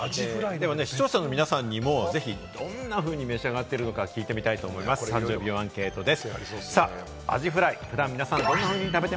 視聴者の皆さんにもどんなふうに召し上がっているのか聞いてみたいです、３０秒アンケートです。